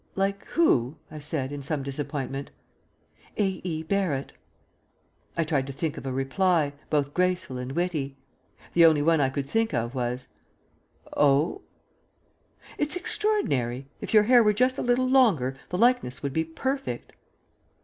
"Like who?" I said in some disappointment. "A. E. Barrett." I tried to think of a reply, both graceful and witty. The only one I could think of was, "Oh?" "It's extraordinary. If your hair were just a little longer the likeness would be perfect."